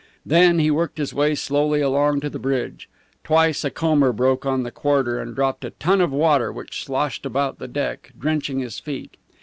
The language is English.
Then he worked his way slowly along to the bridge. Twice a comber broke on the quarter and dropped a ton of water, which sloshed about the deck, drenching his feet.